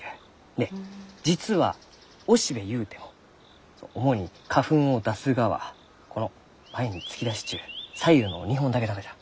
で実は雄しべゆうても主に花粉を出すがはこの前に突き出しちゅう左右の２本だけながじゃ。